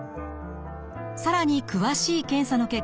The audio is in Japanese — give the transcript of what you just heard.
更に詳しい検査の結果